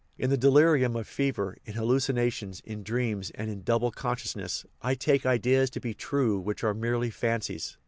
In the delirium of fever, in hallucinations, in dreams, and in double consciousness, I take ideas to be true which are merely fancies.